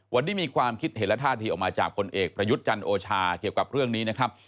วันนี้มีความคิดเห็นและท่าทีออกมาจากพลเอกประยุทธ์จันโอชาเกี่ยวกับเรื่องนี้นะครับ